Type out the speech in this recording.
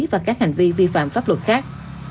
và các hành vi vi phạm pháp luật khác